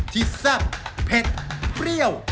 แซ่บเผ็ดเปรี้ยว